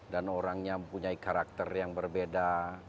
dan orangnya punya karakter yang berbeda